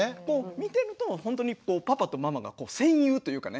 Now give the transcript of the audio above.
見てるとパパとママが戦友というかね。